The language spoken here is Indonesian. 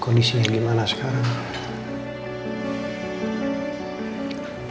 kondisi yang gimana sekarang